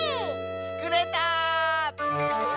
つくれた！